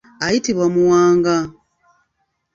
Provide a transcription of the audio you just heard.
Ayitibwa Muwanga.